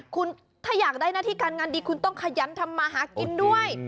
คุณถ้าอยากได้หน้าที่การงานดีคุณต้องขยันทำมาหากินด้วย